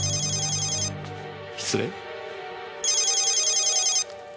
失礼。